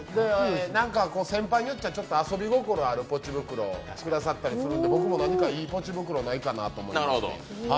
先輩によっては遊び心のあるポチ袋をくださるんで僕も何かいいポチ袋ないかなと思いまして。